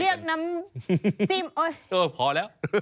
เรียกน้ำจิ้มโอ๊ยเออพอแล้ว